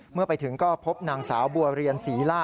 เมื่อไปถึงก็พบนางสาวบัวเรียนศรีล่า